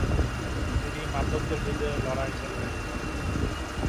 তিনি মামলুকদের বিরুদ্ধে লড়াই চালু রেখেছিলেন।